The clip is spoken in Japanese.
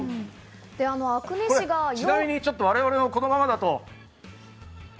ちなみに我々もこのままだと。